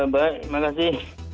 baik terima kasih